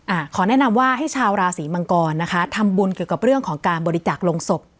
ขอแนะนำว่าให้ชาวราศีมังกรนะคะทำบุญเกี่ยวกับเรื่องของการบริจาคลงศพ